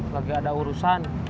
lagi ada urusan